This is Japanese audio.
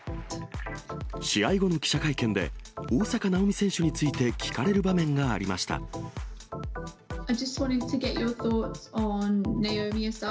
試合後の記者会見で、大坂なおみ選手について聞かれる場面がありました。